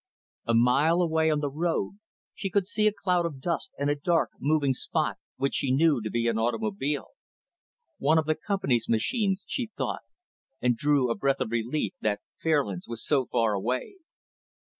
A mile away, on the road, she could see a cloud of dust and a dark, moving spot which she knew to be an automobile. One of the Company machines, she thought; and drew a breath of relief that Fairlands was so far away.